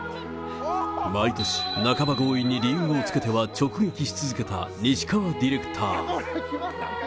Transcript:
毎年、半ば強引に理由をつけては直撃し続けた西川ディレクター。